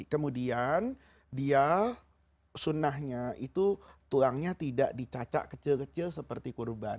kemudian dia sunnahnya itu tulangnya tidak dicacak kecil kecil seperti kurban